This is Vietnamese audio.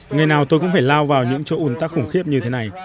ngày nào tôi cũng phải lao vào những chỗ ủn tắc khủng khiếp như thế này